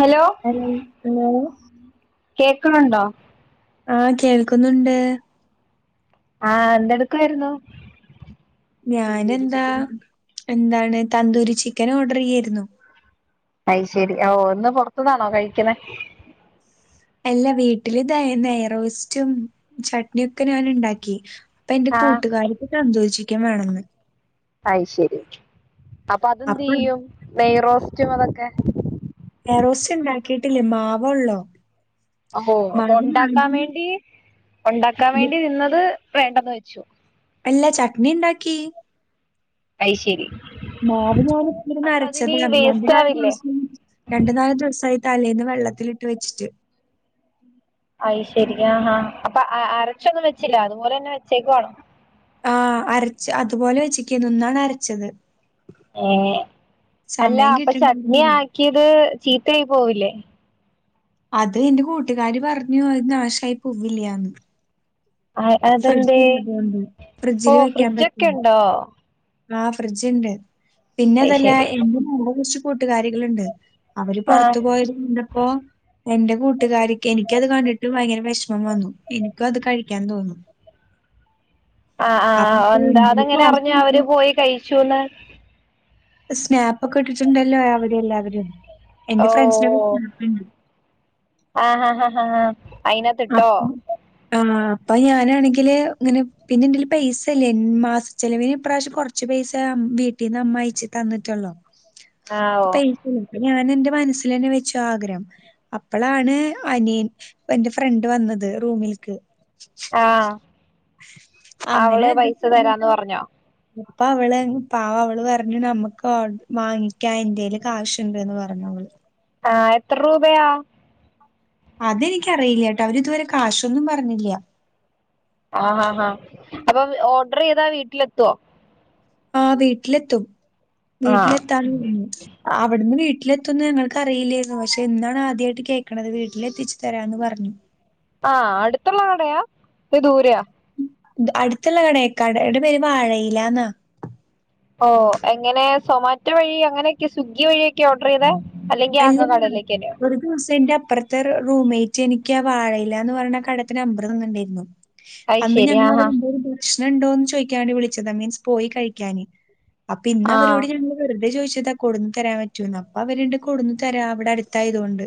Hello hello കേക്കുണുണ്ടോ ആഹ്‌ കേൾക്കുന്നുണ്ട് ആഹ്‌ എന്തെടുക്കുവായിരുന്നു ഞാനെന്താ എന്താണ് തന്തൂരി ചിക്കനോഡർ ചെയ്യായിരുന്നു അയ്ഷെരി ഓ ഇന്ന് പൊറത്തുന്നാണോ കഴിക്കണെ അല്ല, വീട്ടില് ഇത നയിറേസ്റ്റും ചട്നിയൊക്കെ ഞാന്ണ്ടാക്കി പ്പ എന്റെ ആഹ് കൂട്ടുകാരിക്ക് തന്ധൂരി ചിക്കെൻ വേണംന്ന് അയ്ശെരി. അപ്പൊ അപ്പതെന്തെയ്യും. നെയ് റോസ്റ്റും അതൊക്കെ നെയ്റോസ്റ്റ്ണ്ടാക്കിയിട്ടില്ല. മാവൊള്ളു ഹോ അപ്പൊ ഒണ്ടാക്കാൻ വേണ്ടി ഒണ്ടാക്കാൻ വേണ്ടി നിന്നത് വേണ്ടന്ന് വെച്ചു അല്ല ചട്നിണ്ടാക്കി അയ്ശരി മാവ് ഞാൻ ഇത്ര നരച്ചത് രണ്ട് വേസ്റ്റ് നാൽ ആവില്ലേ ദിവസായി രണ്ടു നാല് ദിവസായി തലേന്ന് വെള്ളത്തിട്ട് വെച്ചിട്ട് അയിശരി ആഹാ അപ്പൊ അരച്ചോനും വെച്ചില്ല അതുപോലെ തന്നെ വെച്ചേക്ക് വാണേ ആ അരച്ച് അതുപോലെ വച്ചക്ക് ഇന്നാണ് അരച്ചത് ഏ അല്ല സമയം അപ്പൊ ചട്ട്നി കിട്ടണ്ടായിരുന്നില്ല. ആക്കിയത് ചീത്തയായി പോവില്ലേ അത് എന്റെ കൂട്ടുകാര് പറഞ്ഞു അത് നാശായി പോവില്ലാന്ന് ആ ഫ്രിഡ്ജ് അതെന്തേ ഉള്ളതുകൊണ്ട്. ഓ ഫ്രിഡ്ജില് വെക്കാൻ ഫ്രിഡ്ജൊക്കെ പറ്റും. ഉണ്ടോ ആ ഫ്രിഡ്ജ് ഉണ്ട് പിന്നെ അയ് അതല്ല ശരി എനിക് കുറച്ച് കൂട്ടുകാരികളുണ്ട് അവര് ആഹ് പുറത്തു പോയത് ഇല്ലപ്പോ എൻന്റെ കൂട്ടുകാർക്ക് എനിക്കത് കണ്ടിട്ട് ഭയങ്കര വിഷമം വന്നു എനിക്കും അത് കഴിക്കാൻ തോന്നും ആ ആ അപ്പൊ എന്താ അതെങ്ങനെ അറിഞ്ഞു അവര് പോയി കഴിച്ചുന്ന് സ്നാപ്പ് ഒക്കെ ഇട്ടിട്ടുണ്ടല്ലോ അവിടെ എല്ലാവരും എന്റെ ഓ ഫ്രണ്ട്സനേക്ക സ്നാപ്പ് ഉണ്ട് ആഹ് ഹ ഹ ആ അക്ക്ണു ആ അപ്പൊ ഞാനാണെങ്കില് ഇങ്ങനെ പിന്നെ എന്റെൽ പൈസ ഇല്ലെന് മാസ. ചിലവിൻ ഇപ്രാവശ്യം കുറച്ച് കുറച്ചു പൈസ വീട്ടീ നിന്ന് അമ്മയിച്ചി തന്നിട്ടുള്ളു അ അപ്പോ പ്പ ഞാൻ എന്റെ മനസ്സൽ തന്നെ വെച്ച് ആഗ്രഹം അപ്പളാണ് അനിയൻ ഫ്രണ്ട് വന്നത് റൂമിൽക്ക് ആഹ് അവള് പൈസ തരാന്ന് പറഞ്ഞോ ഇപ്പ അവള് പാവ അവള് പറഞ്ഞു നമ്മുക്ക് വാങ്ങിക്കാൻ എന്റൽ കാശ്ണ്ട്ന്ന് പറഞ്ഞു അവള് ആ എത്ര രൂപയാ അതെനിക്കറിയില്ല കേട്ടോ അവര് ഇതുവരെ കാശൊന്നും പറഞ്ഞില്ല ആ ഹാ ഹാ അപ്പം ഓർഡർ ചെയ്താ വീട്ടിലെത്തുവോ ആ വീട്ടിലെത്തും ആഹ് വീട്ടിലെത്താൻ അവിടുന്ന് വീട്ടിലെത്തുംന്ന് ഞങ്ങൾക്ക് അറിയില്ലായിരുന്നു പക്ഷെ എന്നന്താണ് ആദ്യമായിട്ട് കേൾക്കണത് വീട്ടിലെത്തിച്ചു തരാന്ന് പറഞ്ഞു ആഹ അടുത്തുള്ള കടയാ ദൂരയാ അടുത്തുള്ള കടയ കടയുടെ പേര് വാഴയിലാന്നാ ഓ എങ്ങനെ സൊമാറ്റോ വഴി അങ്ങനെയൊക്കെ സ്വിഗ്ഗി വഴിയൊക്കെ ഓർഡർ ചെയ്തേ അല്ലെങ്കിൽ ആക അല്ലല്ല കടലേക്കാ വരോ ഒരു ദിവസം എന്റെ അപ്പുറത്തെ റൂംമേറ്റ് എനിക്ക് ആ വാഴയില എന്ന് പറയ്ണ കട തെ നമ്പർ തന്നിണ്ടായിരുന്നു അന്ന് അയ്ശരി ഞങ്ങ ആഹ് അവരെ എന്ത ഒരു പ്രശ്നം ഉണ്ടോന്ന് ചോദിക്കാൻ വേണ്ടി വിളിച്ചതാ മീൻസ് പോയി കഴിക്കാന് അപ്പൊ ഇന്ന് ആഹ് ആഹ് അവരോട് ഞങ്ങള് വെറുത ചോദിച്ചതാ കൊടുന്ന് തരാൻ പറ്റോന്ന് അപ്പോ അവരു കൊടുന്നു തരാം അവിടെ അടുത്തായതുകൊണ്ട്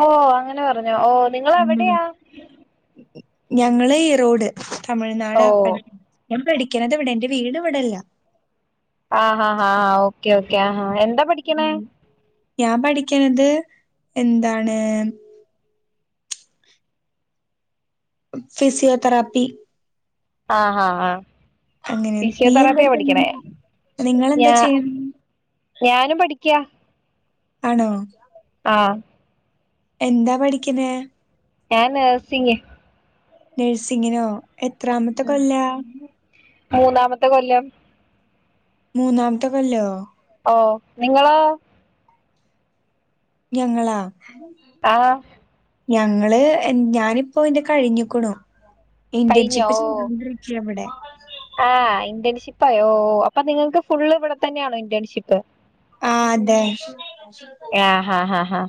ഓ അങ്ങനെ പറഞ്ഞോ ഓ നിങ്ങള് ഉം എവിടെയാ ഞങ്ങള് ഈറോട് ഓ തമിഴ്നാട് ആപ്പ ഞാൻ പഠിക്കണത് ഇവിടെ എന്റെ വീട് ഇവിടല്ല ആ ആാ ആാ ഓക്കേ ഓക്കേ ആ എന്താ പഠിക് ണേ ഞാൻ പഠിക്ക്ണത് എന്താണ് ഫിസിയോതെറാപ്പി ആഹ ആഹ ആ അങ്ങനെ നീ എന്താ ഫിസിയോതെറാപ്പിയാ ചെയ്യണ് പഠിക്കണേ നിങ്ങളെന്താ ഞാ ചെയ്യണ് ഞാനും പഠിക്ക ആണോ ആ എന്താ പഠിക്കണേ ഞാൻ നഴ്സിങ് നഴ്സിങ്ങിനോ എത്രാമത്ത കൊല്ലാ മൂന്നാമത്തെ കൊല്ലം മൂന്നാമത്തെ കൊല്ലോ ഓ നിങ്ങളോ ഞങ്ങളാ ആ ഞങ്ങള് ഞാനിപ്പോ ഇന്റെ കഴിഞ്ഞിക്ക്ണു. കഴിഞ്ഞോ ഇന്റേൺഷിപ്പ് ഓ ചെയ്തുകൊണ്ടിരിക്കയ അവിടെ. ആഹ് ഇന്റേൺഷിപ്പ് ആയോ അപ്പൊ നിങ്ങൾക്ക് ഫുള്ള് ഇവിടെ തന്നെയാണോ ഇന്റേൺഷിപ്പ്. ആ അതെ. ആഹ ഹാ ഹാ ഹാ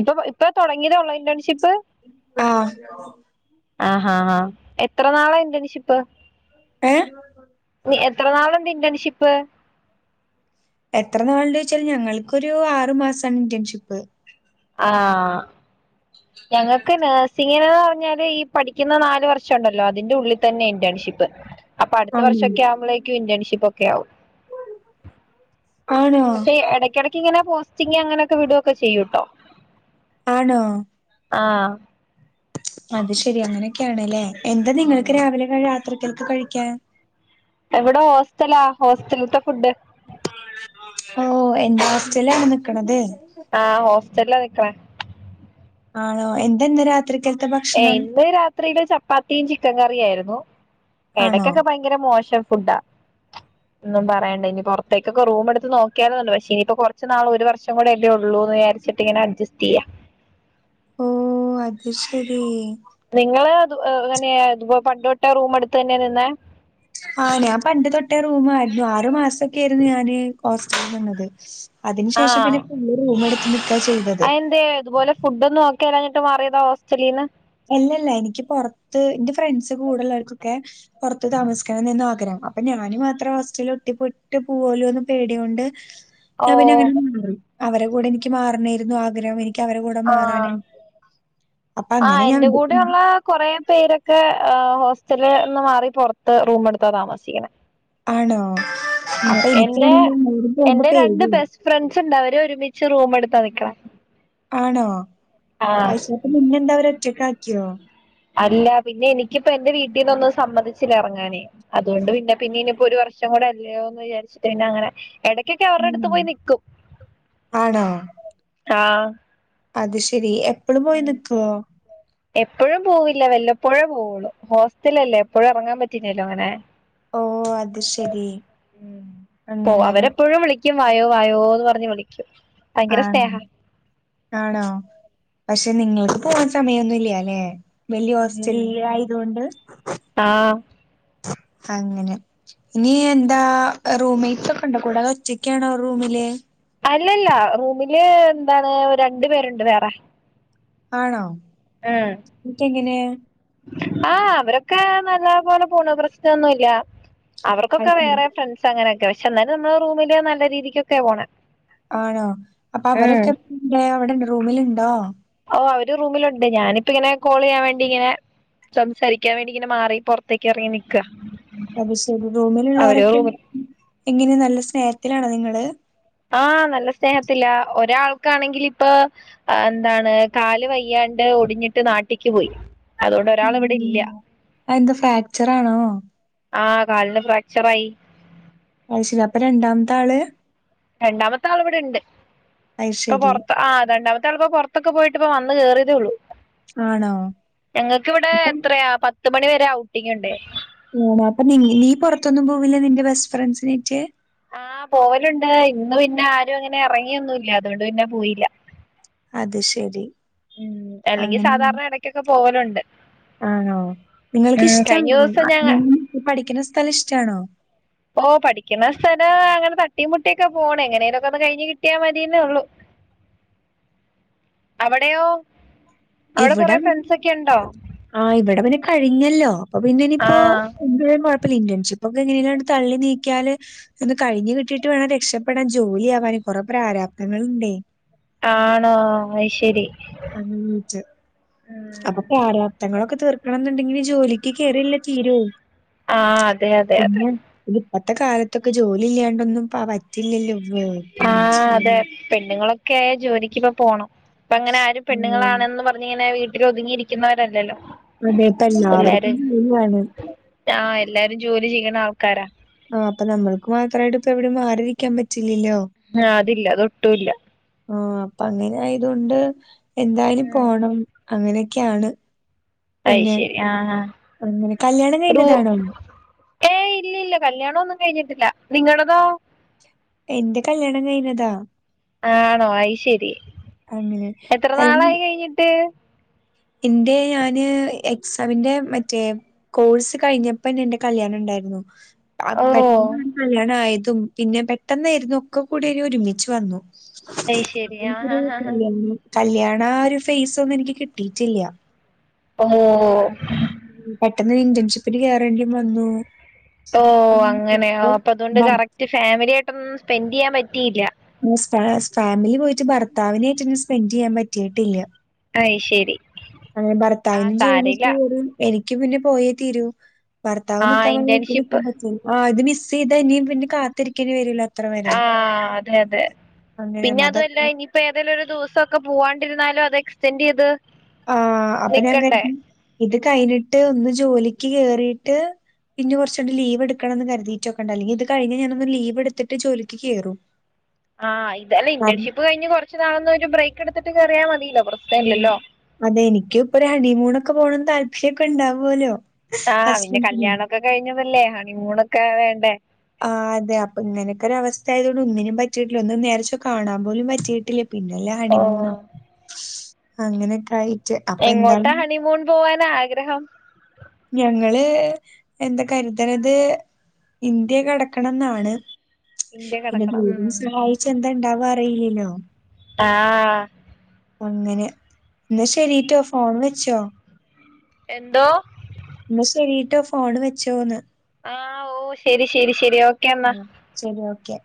ഇപ്പൊ ഇപ്പൊ തുടങ്ങിയദേ ഉള്ള ഇന്റേൺഷിപ്പ്. ആഹ് ആഹ ഹാ ആാ എത്ര നാളാ ഇന്റേൺഷിപ്പ്. ഏ എത്ര നാള് ഇണ്ട് ഇന്റേൺഷിപ്പ്. എത്ര നാളുണ്ട് ചോച്ചാല് ഞങ്ങൾക്കൊരു ആറ് മാസമാണ്. ഇന്റേൺഷിപ്പ്. ആ ഞങ്ങൾക്ക് നഴ്സിങ്. ഇങ്ങനെന്ന് പറഞ്ഞാല് ഈ പഠിക്കുന്ന നാലല് വർഷം ഉണ്ടല്ലോ അതിന്റെ ഉള്ളിൽ തന്നെ ഇന്റേൺഷിപ്പ്. അപ്പൊ അടുത്ത ആണോ വർഷൊക്കെ ആവുമ്പോഴേക്കും ഇന്റേൺഷിപ്പ് ഒക്കെ ആവും. ആണോ പക്ഷെ ഇടയ്ക്കിടക്ക് ഇങ്ങനെ പോസ്റ്റിങ് അങ്ങനെയൊക്കെ വിടൊക്കെ ചെയ്യൂട്ടോ. ആണോ? ആഹ് അത് ശെരി അങ്ങനെയൊക്കെയാണല്ലേ എന്താ നിങ്ങൾക്ക് ഉം രാവിലെ രാത്രിത്തേക്ക് കഴിക്കാൻ. എവിടെ ഹോസ്റ്റ്ലാ ഹോസ്റ്റലത്തെ ഫുഡ്. ഓ എ ഹോസ്റ്റലാണ് നിക്കണത്. ആഹ് ഹോസ്റ്റ്ല്ലാ നിക്കണേ. ആണോ എന്തെന്ന് രാ ത്രിക്കെന്താ ഭ ഏ ഇന്ന് രാത്രിയില് ചപ്പാത്തിയും ചിക്കൻ കറിയായിരുന്നു. ആണോ ഇടക്കൊക്കെ ഭയ ങ്കര മോശം ഫുഡാ. ഒന്നും പറയണ്ട ഇനി പുറത്തേക്കൊക്കെ റൂമ്ട്ത്ത് നോക്കിയാലോന്നുണ്ട് പക്ഷേ ഇനിയിപ്പോ കുറച്ച് നാള് ഒരു വർഷം കൂടെയല്ലേ ഉള്ളൂന്ന് വിചാരിച്ചിട്ട്. റ്റിങ്ങനെ അഡ്ജസ്റ്റെയ്യാ. ഓ അത് ശരി. നിങ്ങള് ങ്ങനെ ഇ പണ്ട് തൊട്ടേ റൂമെടുത്ത് തന്നെയാ നിന്നേ. ആഹ് ഞാൻ പണ്ട് തൊട്ടേ റൂമായിരുന്നു ആറു മാസൊക്കേയിരുന്നു. ഞാന് ഹോസ്റ്റല്ല് നിന്നത്. അതിനു ശേഷം പിന്നെ ഫുള്ള് റൂമ് എടുത്. ആയെന്തേ ഇതുപോലെ ഫുഡൊന്നും ഓക്കല്ലാഞ്ഞിട്ട് മാറിയതാ ഹോസ്റ്റലീന്ന്. എല്ലല്ല എനിക്ക് പൊറത്ത് ന്റെ ഫ്രണ്ട്സ് കൂടുള്ളോൽ ക്കൊക്കെ പുറത്ത് താമസിക്കണം. ന്നേന്നു ആഗ്രഹം അപ്പൊ ഞാന് മാത്രം ഹോസ്റ്റലിൽ ഒട്ടി പെട്ട് പോവോല്ലോന്ന് പേടിയോണ്ട്. [inaudible] ഞാൻ പിന്നെ അങ്ങനെ നിന്നു അവരെ കൂടെ എനിക്ക് മാറണേയ്ന്നു ആഗ്രഹം എനി അവരെ കൂടെ മാറാന് അപ്പൊങ്ങനെ അയ്ന്റെ കൂടെയുള്ള കൊറേ പേരൊക്കെ ക്കെ ആഹ് ഹോസ്റ്റലേന്ന് മാറി പൊറത്ത് റൂമെടുത്താ താമസിക്ക്ണെ. ആണോ അപ്പൊ എന്റെ എനിക്കാണെങ്കിലും അവര് പോവുമ്പോ എന്റെ രണ്ട് പേടിയായി. ബെസ്റ്റ് ഫ്രണ്ട്സ് ഉണ്ട അവര് ഒരുമിച്ച് റൂമെടുത്ത് നിൽക്ക്ണ്. ആണോ അത് ശരി നിന്നെന്താ അവരൊറ്റക്കാക്കിയോ. അല്ല പിന്നെ എനിക്കിപ്പെന്റെ വീട്ടീന്നൊന്നും സമ്മതിച്ചില്ലിറങ്ങാന്. അതുകൊണ്ട് പിന്നെ പിന്നെ ഇനിയിപ്പോ ഒരു വർഷം കൂടെ അല്ലയോന്ന് വിചാരിച്ചിട്ട്. പിന്നങ്ങനെ ഇട ക്കൊക്കെ അവരുടെ അടുത്ത് ഉം. പോയി നിക്കും ആണോ ആഹ് അത് ശെരി എപ്പളും പോയി നിക്കോ? [inaudible] എപ്പഴും പോവില്ല. വല്ലപ്പോഴേ പോവുള്ളൂ ഹോസ്റ്റലല്ലേ എപ്പോഴും ഇറങ്ങാൻ പറ്റില്ലല്ലോ അങ്ങനെ. ഓ അത് ശരി പോ അങ്ങനെയല്ലേ അവരെപ്പോഴും വിളി. ക്യും വായോ വായോന്ന് പറഞ്ഞ് വിളിക്കും. ഭയങ്കര ആഹ് സ്നേഹ ആണോ പക്ഷെ നിങ്ങൾക്ക് പോവാൻ സമയൊന്നുല്യാലേ വല്യ ഹോസ്റ്റല്ലായതോണ്ട് ആഹ് അങ്ങനെ ഇനി എന്താ റൂംമെയ്റ്റ്സൊക്കെണ്ടോ കൂടെ അതോ ഒറ്റക്കാണോ റൂമില് അല്ലല്ല റൂമില് എന്താണ് രണ്ട് പേരുണ്ട് വേറെ ആണോ ഏഹ് എന്നിട്ടെങ്ങനെ ആഹ് അവരൊക്കെ നല്ല പോലെ പോണൂ പ്രശ്നൊന്നുല്ല്യ അത് അവർക്കൊക്കെ ശരി വേറെ ഫ്രണ്ട്സ് സ് അങ്ങനെയൊക്കെ പക്ഷെ ന്നാലും നമ്മളെ റൂമില് നല്ല രീതിക്കൊക്കേ പോണേ ആണോ അപ്പൊ അവരൊക്കെ അവിടെ റൂമിലുണ്ടോ ഓഹ് അവര് റൂമിലുണ്ട് ഞാനിപ്പങ്ങനെ കോള് ചെയ്യാൻ വേണ്ടിങ്ങനെ സംസാരിക്കാൻ വേണ്ടി ഇങ്ങനെ മാറി പൊറത്തേക്ക് എറങ്ങി നിക്ക അത് ശരി അവര് റൂമിലുള്ളോരൊക്കെ റൂമിൽ എങ്ങനെ നല്ല സ്നേഹത്തിലാണോ നിങ്ങള് ആഹ് നല്ല സ്നേഹത്തിലാ ഒരാൾക്കാണെങ്കിലിപ്പൊ ആഹ് എന്താണ് കാല് വയ്യാണ്ട് ഒടിഞ്ഞിട്ട് നാട്ടിക്ക് പോയി അതുകൊണ്ട് ഒരാൾ ഇവിടെ ഇല്ല ഉം അഹ് എന്താ ഫ്രാക്ചർ ആണോ ആഹ് കാലിന് ഫ്രാക്ചർ ആയി അയ് ശരി അപ്പൊ രണ്ടാമത്താള് രണ്ടാമത്താളിവിടെണ്ട് അത് ഇപ്പൊ ശരി പൊറത്ത് ആ രണ്ടാമത്താളിപ്പോ പൊറ ത്തൊക്കെ പോയിട്ട്പ്പ വന്ന് കേറിയതേ ഉള്ളു ആണോ ഞങ്ങൾക്കിവിടെ അപ്പം എത്രയാ പ ത്ത് മണിവരെ ഔട്ടിംഗിണ്ട് ആണോ അപ്പൊ നി നീ പൊറത്തൊന്നും പോവില്ല നിന്റെ ബെസ്റ്റ് ഫ്രണ്ട്സിനേറ്റ് ആഹ് പോവലുണ്ട് ഇന്ന് പിന്നെ ആരും അങ്ങനെ എറങ്ങിയൊന്നുല്ല അതുകൊണ്ട് പിന്നെ പോയില്ല അത് ശരി അല്ലെങ്കി അങ്ങനെ സാധാരണ എടക്കൊക്കെ പോവലുണ്ട് ആണോ നിങ്ങൾക്ക് ഉം കഴിഞ്ഞ ഇഷ്ടാണോ ദിവസം ഞങ്ങ നിങ്ങ ഇപ്പ പഠിക്കണ സ്ഥലം ഇഷ്ടാണോ ഓഹ് പഠിക്കണ സ്ഥലം അങ്ങനെ തട്ടീം മുട്ടിയൊക്കെ പോണ് എങ്ങനേലൊക്കെ ഒന്ന് കഴിഞ്ഞ് കിട്ടിയാ മതീന്നേ ഒള്ളു അവിടെയോ അവിടെ ഇവിടെ കൊറെ ഫ്രണ്ട്സൊക്കെ ഇണ്ടോ ആഹ് ഇവിടെ പിന്നെ കഴിഞ്ഞല്ലോ അപ്പൊ പിന്നെ ഇനിയിപ്പോ ആഹ് എന്തായാലും കൊഴ കുഴപ്പല്ല ഇന്റേൺഷിപ്പ് ഒക്കെ എങ്ങനേങ്കിലുങ്ങട് തള്ളി നീക്കിയാല് ഇതൊന്ന് കഴിഞ്ഞ് കിട്ടീട്ട് വേണം രക്ഷപ്പെടാൻ ജോലിയാവാന് കൊറേ പ്രാരാപ്ധങ്ങളുണ്ടേയ് ആണോ അയ്ശെരി [unintelligible] അപ്പൊ പ്രാരാബ്ധങ്ങളൊക്കെ തീർക്കണന്നുണ്ടെങ്കിൽ ജോലിക്ക് കേറിയല്ലേ തീരൂ ആഹ് അതെ അതെ അതെ പിന്നെ ഇപ്പത്തെ കാലത്തൊക്കെ ജോലി ഇല്ലാണ്ടൊന്നും പ പറ്റില്ലല്ലോ [unintelligible] ആഹ് അതെ ചെയ്യാനാ? പെണ്ണുങ്ങളൊക്കായ ജോലിക്കിപ്പ പോണം ഇപ്പ അങ്ങനെ ആരും ആഹ് പെണ്ണുങ്ങളാണെന്ന് പറഞ്ഞ അങ്ങനിങ്ങനെ വീട്ടിലൊതുങ്ങിയിരിക്കുന്നവരല്ലല്ലോ അതെപ്പല്ലാവർക്കും [unintelligible] ആഹ് എല്ലാവരും ജോലി ചെയ്യണ ആൾക്കാരാ ആഹ് അപ്പൊ നമ്മൾക്ക് മാത്രായിട്ട് ഇപ്പ എവിടെം മാറിരിക്കാൻ പറ്റില്ലല്ലോ ആഹ് അതില്ല അതൊട്ടും ഇല്ല ആഹ് അപ്പ അങ്ങനെ ആയതൊണ്ട് എന്തായാലും ഉം പോണം അങ്ങനെ ഒക്കെയാണ് അയ് ശെരി ആഹ് ആഹ് അങ്ങനെ കല്യാണം ഒരു കഴിഞ്ഞതാണോ? ഏയ് ഇല്യ ഇല്ല കല്യാണോന്നും കഴിഞ്ഞിട്ടില്ല നിങ്ങടതോ എന്റെ കല്യാണം കഴിഞ്ഞതാ ആണോ അയ്ശെരി അങ്ങനെ എത്ര കാരണം നാളായി കഴിഞ്ഞിട്ട് എന്റെ ഞാന് എക്സാമിന്റെ മറ്റേ കോഴ്സ് കഴിഞ്ഞപ്പന്ന എന്റെ കല്യാണം ഇണ്ടായിരുന്നു ആഹ് ഓ പെട്ടെന്നാര്ന്നു കല്യാണം ആയതും പിന്നെ പെട്ടെന്നായിരുന്നു ഒക്കെ കൂടി ഒരുമിച്ച് വന്നു ആഹ് അയ്ശരി എനിക്കൊരു ആഹ് ആഹ് കല്യാണ ആഹ് ഒരു ഫേസ് ഒന്നും എനിക്ക് കിട്ടീറ്റില്ല ഓഹ് പെട്ടെന്നൊരു ഇന്റേൺഷിപ്പിൽ കേറേണ്ടീം വന്നു ഓഹ് അപ്പം അങ്ങനെയ അപ്പ അതുകൊണ്ട് ഭർ കറക്റ്റ് ഫാമിലി ആയിട്ടൊന്നും സ്പെൻഡ് ചെയ്യാൻ പറ്റിയില്ല ആഹ് [unintelligible] ഫാമിലി പോയിട്ട് ഭർത്താവിനായിട്ടന്നെ സ്പെൻഡ് ചെയ്യാൻ പറ്റിയിട്ടില്ല അയ്ശരി അങ്ങനെ ഭർത്താവിനും ജോലിക്ക് [unintelligible] എനിക്ക് പിന്നെ പോയേ തീരൂ ഭർത്താവ് ആ നിക്കാൻ ഇന്റേൺഷിപ്പ് [unintelligible] ആഹ് ഇത് മിസ് ചെയ്താ ഇനിയും പിന്നെ കാത്തിരിക്കേണ്ടി വരൂല്ല ആഹ് അതെ അതെ അങ്ങനെ പിന്നെ അതത്ര അതുമല്ല ഇനി ഇപ്പ ഏതെലും ഒരു ദിവസൊക്കെ പൂവാണ്ടിരുന്നാലും അത് എക്സ്ടെൻഡ് ചെയ്ത് ആഹ് അപ്പൊ ഞാൻ നിക്കണ്ടേ കരുതും ഇത് കഴിഞ്ഞിട്ട് ഒന്ന് ജോലിക്ക് കേറിയിട്ട് പിന്ന കുറച്ചങ്ങട് ലീവ് എടുക്കണംന്ന് കരുതീറ്റൊക്കണ്ട് അല്ലെങ്കി ഇത് കഴിഞ്ഞ ഞാനൊന്ന് ലീവെടുത്തിട്ട് ജോലിക്ക് കേറും ആഹ് ഇതല്ല കാരണം ഇന്റേൺഷിപ്പ് കഴിഞ്ഞ് കൊറച്ച് നാളന്നും ഒരു ബ്രേക്ക് എടുത്തിട്ട് കേറിയാ മതീല്ലോ കൊർ അതെ എനിക്കൂപ്പ ഒരു ഹണി മൂണൊക്കെ പോണന്ന് താല്പര്യക്കെ ഇണ്ടാവോല്ലോ ആഹ് പിന്നെ കല്യാണൊക്കെ കഴിഞ്ഞതല്ലേ ഹണിമൂണൊക്കെ വേണ്ടേ ആഹ് അതെ അപ്പൊ ഇങ്ങനൊക്കെ ഒരു അവസ്ഥ ആയതുകൊണ്ട് ഒന്നിനും പറ്റിയിട്ടില്ല ഒന്നും നേരെ ചൊവ്വേ കാണാൻ പോലും പറ്റിയിട്ടില്ല പിന്നല്ലേ ഓ ഹണിമൂണ് അങ്ങനെയൊക്കെ ആയി എങ്ങോട്ടാ ഹണിമൂൺ പോവാനാഗ്രഹം ഞങ്ങള് എന്താ കരുത്ണത് ഇന്ത്യ കടക്കണം എന്നാണ് ഇന്ത്യ പിന്നെ കിടക്കണം ദൈവം ഉം. സഹായിച്ച എന്താ ഉണ്ടവാ അറിയില്ലലോ ആഹ് അങ്ങനെ ഇന്നാ ശെരിട്ടോ ഫോൺ വെച്ചോ എന്തോ ഇന്നാ ശെരിട്ടോ ഫോണ് വെച്ചോന്ന് ആഹ് ഓ ശരി ശരി ശരി ഓക്കെ എന്നാ ആഹ് ശരി ഓക്കെ